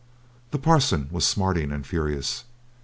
The Parson was smarting and furious.